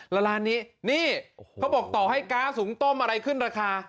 แล้วร้านนี้นี่เขาบอกต่อให้ก๊าซสูงต้มอะไรขึ้นราคา